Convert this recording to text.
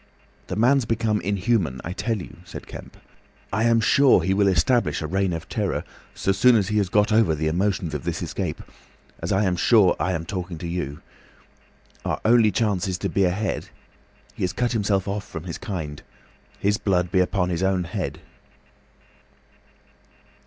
"The man's become inhuman, I tell you," said Kemp. "I am as sure he will establish a reign of terror—so soon as he has got over the emotions of this escape—as I am sure I am talking to you. Our only chance is to be ahead. He has cut himself off from his kind. His blood be upon his own head."